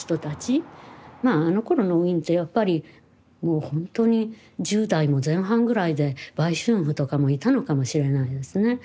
あのころのウィーンってやっぱりもう本当に１０代も前半ぐらいで売春婦とかもいたのかもしれないですね。